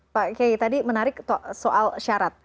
pak kiai tadi menarik soal syarat